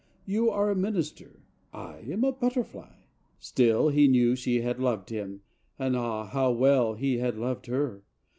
You are a minister and I am a butterfly." Still he knew she had loved him, and, ah ! how well he had loved her.